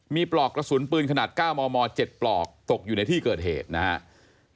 มีปลอกกระสุนปืนขนาด๙มม๗ปลอกตกอยู่ในที่เกิดเหตุนะครับ